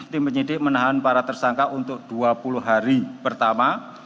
tim penyidik menahan para tersangka untuk dua puluh hari pertama